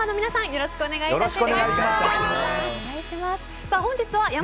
よろしくお願いします。